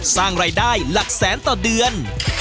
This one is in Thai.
สร้างรายได้หลักแสนต่อเดือน